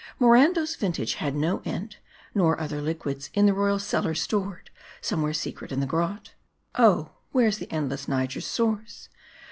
Morando's vintage had no end ; nor other liquids, in the royal cellar stored, somewhere secret in the grot. Oh ! where's the endless Niger's source